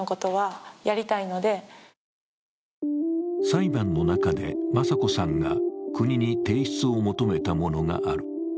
裁判の中で雅子さんが国に提出を求めたものがある。